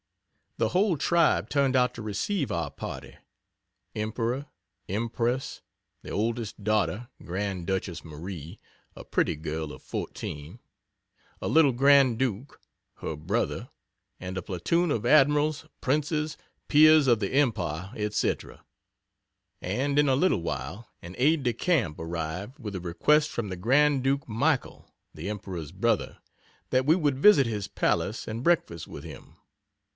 The whole tribe turned out to receive our party Emperor, Empress, the oldest daughter (Grand Duchess Marie, a pretty girl of 14,) a little Grand Duke, her brother, and a platoon of Admirals, Princes, Peers of the Empire, etc., and in a little while an aid de camp arrived with a request from the Grand Duke Michael, the Emperor's brother, that we would visit his palace and breakfast with him.